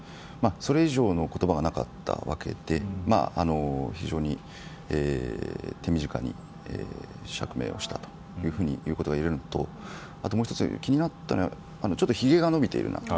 それ以上の言葉がなかったわけで非常に手短に釈明をしたということが言えるのとあともう１つ、気になったのはひげが伸びているなと。